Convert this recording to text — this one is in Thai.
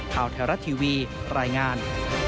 ข่าวไทยรัฐทีวีรายงาน